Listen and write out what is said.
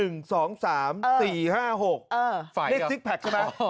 นี่สิคแพ็กส์ใช่ไหม